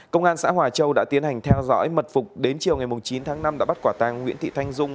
công an xã hòa châu đã tiến hành theo dõi mật phục đến chiều ngày chín tháng năm đã bắt quả tàng nguyễn thị thanh dung